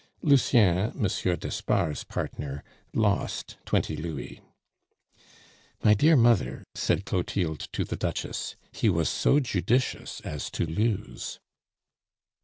Lucien, Monsieur d'Espard's partner, lost twenty louis. "My dear mother," said Clotilde to the Duchess, "he was so judicious as to lose."